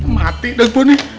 mati dah gue nih